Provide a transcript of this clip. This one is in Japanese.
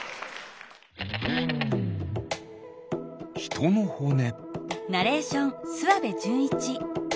ひとのほね。